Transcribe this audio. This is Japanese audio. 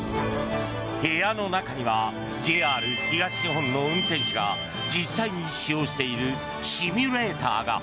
部屋の中にはＪＲ東日本の運転士が実際に使用しているシミュレーターだ。